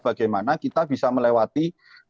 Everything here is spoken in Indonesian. bagaimana kita bisa melewati